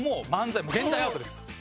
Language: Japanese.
現代アートです。